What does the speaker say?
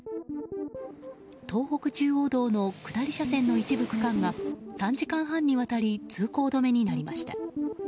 東北中央道の下り車線の一部区間が３時間半にわたり通行止めになりました。